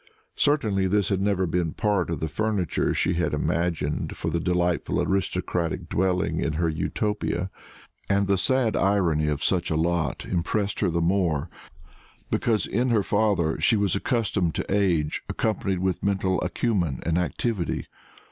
Certainly this had never been part of the furniture she had imagined for the delightful aristocratic dwelling in her Utopia; and the sad irony of such a lot impressed her the more because in her father she was accustomed to age accompanied with mental acumen and activity.